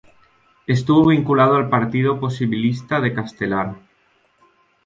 Estuvo vinculado al Partido Posibilista de Castelar.